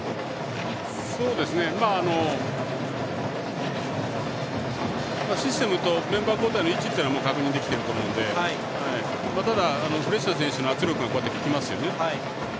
そうですね、システムとメンバー交代の位置というのはもう確認できていると思うのでただ、フレッシュな選手の圧力がきますよね。